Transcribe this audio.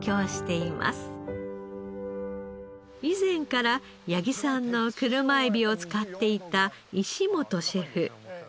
以前から八木さんの車エビを使っていた石本シェフ。